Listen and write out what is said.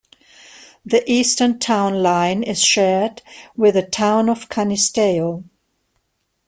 The eastern town line is shared with the Town of Canisteo.